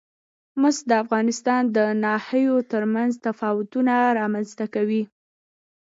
مس د افغانستان د ناحیو ترمنځ تفاوتونه رامنځ ته کوي.